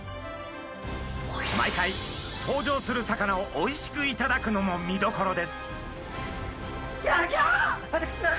毎回、登場する魚をおいしくいただくのも見どころです。